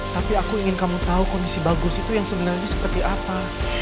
tapi aku ingin kamu tahu kondisi bagus itu yang sebenarnya seperti apa